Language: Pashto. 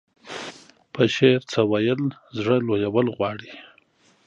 په شعر څه ويل زړه لويول غواړي.